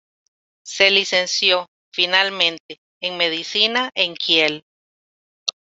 Se licenció, finalmente, en medicina en Kiel.